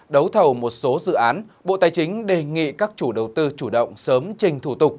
đấu thầu một số dự án bộ tài chính đề nghị các chủ đầu tư chủ động sớm trình thủ tục